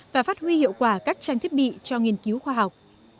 và phát huy hiệu quả các trang thiết bị cho nghiên cứu khoa học